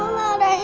mama ngadainya aku